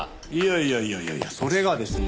いやいやいやいやそれがですね。